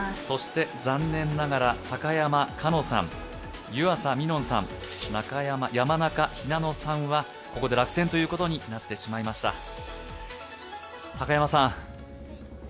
そして残念ながら、高山花埜さん、湯浅美音さん、山中日菜乃さんは、ここで落選ということになってしまいました。